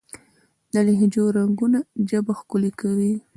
د لهجو رنګونه ژبه ښکلې کوي.